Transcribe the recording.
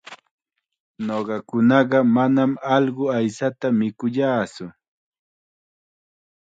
Ñuqakunaqa manam allqu aychata mikuyaatsu.